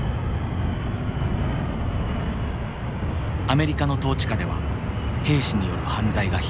アメリカの統治下では兵士による犯罪が頻発。